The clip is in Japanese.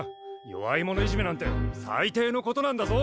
弱い者いじめなんて最低のことなんだぞ。